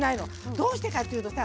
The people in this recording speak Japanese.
どうしてかというとさ